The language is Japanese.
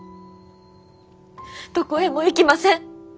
どこへも行きません。